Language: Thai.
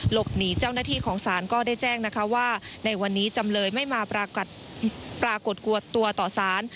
หนีเจ้าหน้าที่ของศาลก็ได้แจ้งนะคะว่าในวันนี้จำเลยไม่มาปรากฏตัวต่อสาร